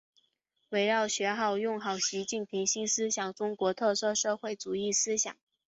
围绕学好、用好习近平新时代中国特色社会主义思想